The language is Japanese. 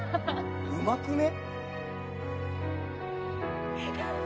うまくね？